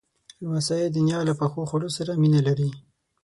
لمسی د نیا له پخو خواړو سره مینه لري.